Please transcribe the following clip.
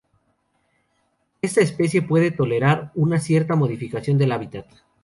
Esta especie puede tolerar una cierta modificación del hábitat.